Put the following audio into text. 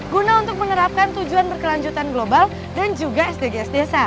guna untuk menerapkan tujuan berkelanjutan global dan juga sdgs desa